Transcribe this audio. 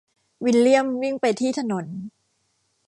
วิลเลียมวิ่งไปที่ถนน